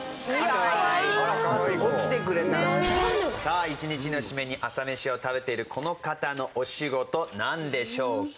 さあ一日の締めに朝メシを食べているこの方のお仕事なんでしょうか？